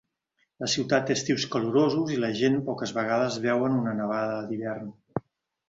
La ciutat té estius calorosos i la gent poques vegades veuen una Nevada d'hivern.